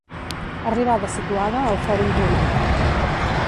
Arribada situada al Fòrum Romà.